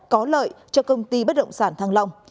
có lợi cho công ty bất động sản thăng long